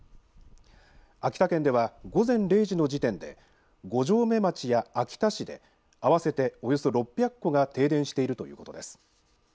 秋田県では午前０時の時点で五城目町や秋田市で合わせておよそ６００戸が停電しているということです。